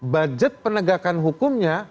budget penegakan hukumnya